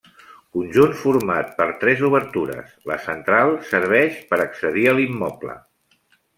Conjunt format per tres obertures; la central serveix per accedir a l'immoble.